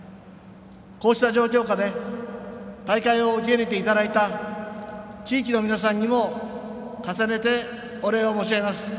こうした状況下で大会を受け入れていただいた地域の皆さんにも重ねてお礼を申し上げます。